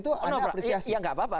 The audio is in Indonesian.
ya tidak apa apa